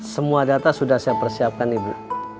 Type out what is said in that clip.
semua data sudah saya persiapkan ibu